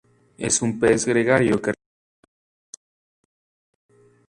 Es un pez gregario que realiza largas migraciones.